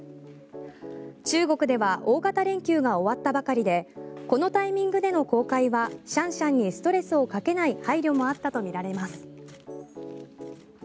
中国では大型連休が終わったばかりでこのタイミングでの公開はシャンシャンにストレスをかけない配慮もあったとみられます。